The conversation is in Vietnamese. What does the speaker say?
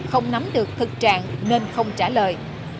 vì họ không có nắm được thực trạng nên không trả lời